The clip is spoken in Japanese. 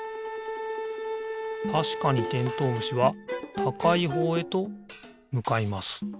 たしかにてんとうむしはたかいほうへとむかいます。